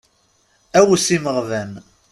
Awes imeɣban.